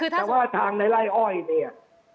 แต่ว่าทางในไล่อ้อยเนี่ย